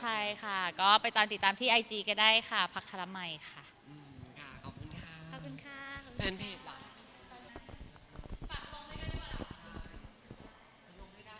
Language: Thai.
ใช่ค่ะก็ไปตามติดตามที่ไอจีก็ได้ค่ะพักธรรมใหม่ค่ะ